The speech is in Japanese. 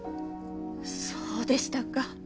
そうでしたか。